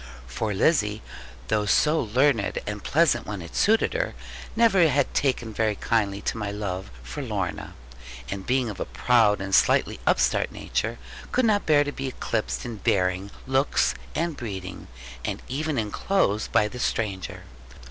For Lizzie, though so learned, and pleasant when it suited her, never had taken very kindly to my love for Lorna, and being of a proud and slightly upstart nature, could not bear to be eclipsed in bearing, looks, and breeding, and even in clothes, by the stranger.